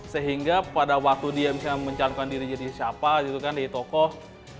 sehingga pada waktu dia misalnya mencantumkan diri jadi siapa gitu kan dari tokoh